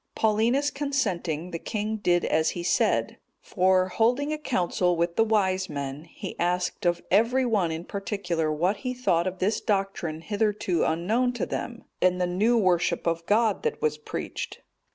Paulinus consenting, the king did as he said; for, holding a council with the wise men,(230) he asked of every one in particular what he thought of this doctrine hitherto unknown to them, and the new worship of God that was preached?